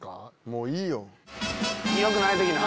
もういいよ！